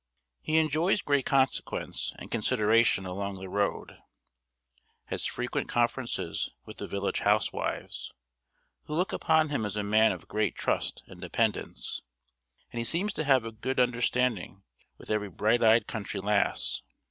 He enjoys great consequence and consideration along the road; has frequent conferences with the village housewives, who look upon him as a man of great trust and dependence; and he seems to have a good understanding with every bright eyed country lass.